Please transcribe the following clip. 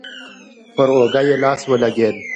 پر اوږه يې لاس ولګېد.